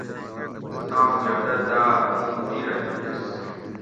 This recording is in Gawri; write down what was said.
تام پیادہ داۤ ھُوں دِیرہ نِیکۤس